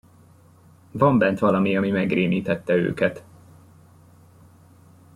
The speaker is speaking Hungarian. Van bent valami ami megrémítette őket.